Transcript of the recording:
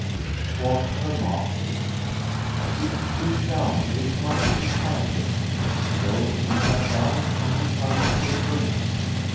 Quoth her master, 'Sit thee down; this much sufficeth;' so she sat down and he signed to the brunette.